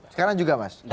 sekarang juga mas